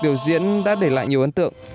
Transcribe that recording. biểu diễn đã để lại nhiều ấn tượng